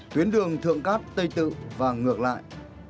tuyến đường thượng cát tây tự và ngược lại